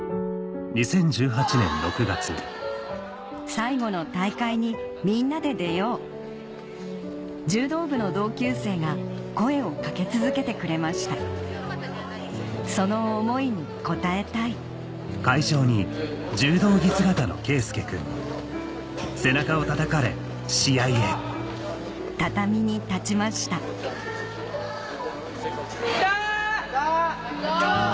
最後の大会にみんなで出よう柔道部の同級生が声を掛け続けてくれましたその思いに応えたい畳に立ちました・いけ！